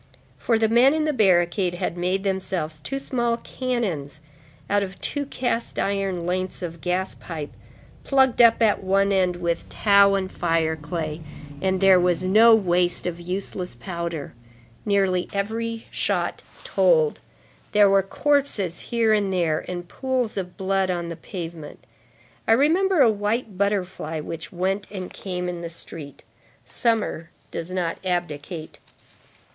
For the men in the barricade had made themselves two small cannons out of two cast iron lengths of gas pipe, plugged up at one end with tow and fire clay. There was no waste of useless powder. Nearly every shot told. There were corpses here and there, and pools of blood on the pavement. I remember a white butterfly which went and came in the street. Summer does not abdicate.